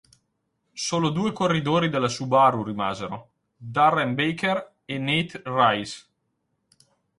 Solo due corridori della Subaru rimasero, Darren Baker e Nate Reiss.